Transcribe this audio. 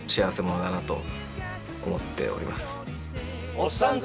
「おっさんず